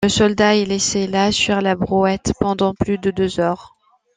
Le soldat est laissé là, sur la brouette, pendant plus de deux heures.